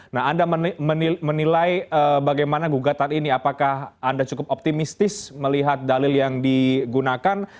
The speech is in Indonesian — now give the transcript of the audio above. nah anda menilai bagaimana gugatan ini apakah anda cukup optimistis melihat dalil yang digunakan